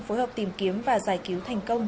phối hợp tìm kiếm và giải cứu thành công